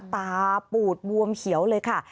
ปูดบวมเขียวเลยค่ะ